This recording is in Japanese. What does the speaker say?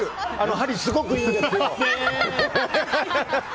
はり、すごくいいんですよ！